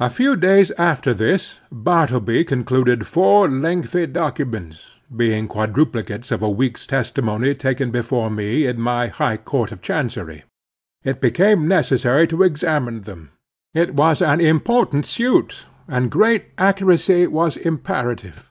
A few days after this, Bartleby concluded four lengthy documents, being quadruplicates of a week's testimony taken before me in my High Court of Chancery. It became necessary to examine them. It was an important suit, and great accuracy was imperative.